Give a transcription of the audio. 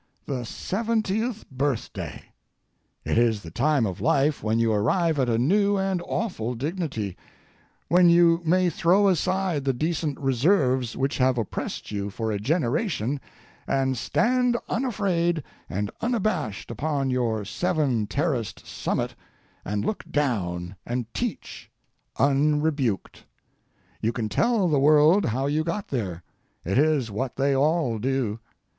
The seventieth birthday! It is the time of life when you arrive at a new and awful dignity; when you may throw aside the decent reserves which have oppressed you for a generation and stand unafraid and unabashed upon your seven terraced summit and look down and teach—unrebuked. You can tell the world how you got there. It is what they all do.